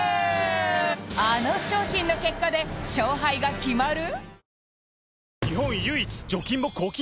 あの商品の結果で勝敗が決まる！？